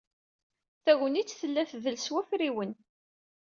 Tagnit tella tdel s wafriwen.